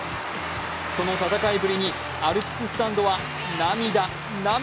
その戦いぶりにアルプススタンドは涙、涙。